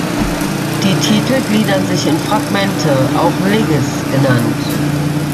Die Titel gliedern sich in Fragmente, auch "leges" genannt.